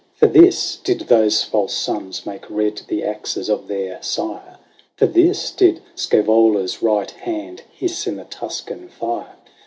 For this did those false sons make red the axes of their sire ? For this did Scsevola's right hand hiss in the Tuscan fire